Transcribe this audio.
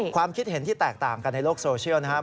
ความคิดเห็นที่แตกต่างกันในโลกโซเชียลนะครับ